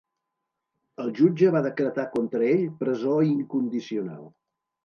El jutge va decretar contra ell presó incondicional.